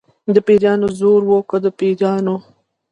د پیرانو زور و که د پیریانو.